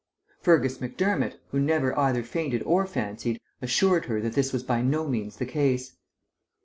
Fergus Macdermott, who never either fainted or fancied, assured her that this was by no means the case.